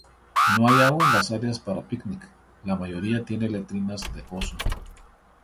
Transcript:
No hay agua en las áreas para picnic; la mayoría tiene letrinas de pozo.